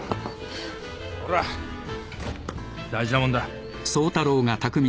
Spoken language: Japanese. ほら大事なもんだ。